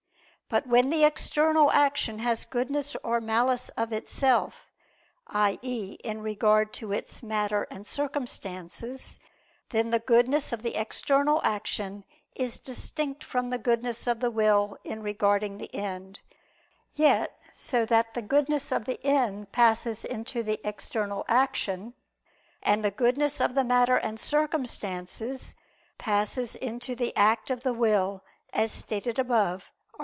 But when the external action has goodness or malice of itself, i.e. in regard to its matter and circumstances, then the goodness of the external action is distinct from the goodness of the will in regarding the end; yet so that the goodness of the end passes into the external action, and the goodness of the matter and circumstances passes into the act of the will, as stated above (AA.